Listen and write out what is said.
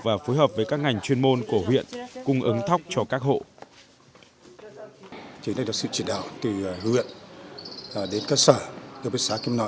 và phối hợp với các ngành chuyên môn của huyện cung ứng thóc cho các hộ